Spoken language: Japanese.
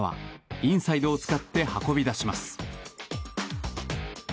インサイドを使って運び出します。